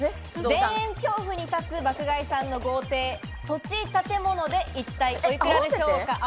田園調布に立つ爆買いさんの豪邸、土地、建物で一体おいくらでしょうか？